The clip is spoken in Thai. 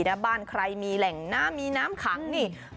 หน้าบ้านใครมีแหล่งน้ำมีน้ำขังนี่